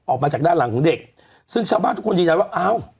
ออกมาจากด้านหลังของเด็กซึ่งชาวบ้านทุกคนยืนยันว่าอ้าว